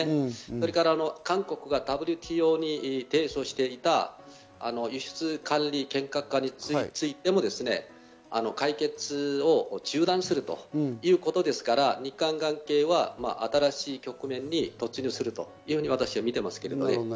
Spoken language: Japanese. それから韓国がＷＴＯに提訴していた輸出管理緩和について、中断するということですから日韓関係は新しい局面に突入するというふうに私は見ています。